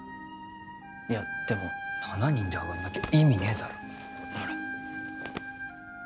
いやでも７人で上がんなきゃ意味ねえだろほら